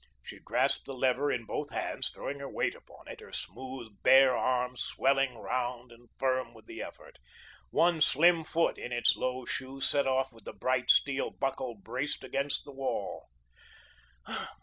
She grasped the lever in both hands, throwing her weight upon it, her smooth, bare arm swelling round and firm with the effort, one slim foot, in its low shoe set off with the bright, steel buckle, braced against the wall.